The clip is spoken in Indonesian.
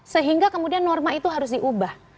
sehingga kemudian norma itu harus diubah